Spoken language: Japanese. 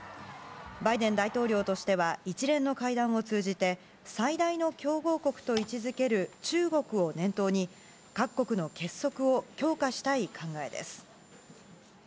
バイデン大統領としては一連の会談を通じて、最大の競合国と位置づける中国を念頭に、各国の結束を強化したい考えです。